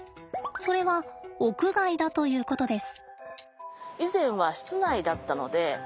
それは屋外だということです。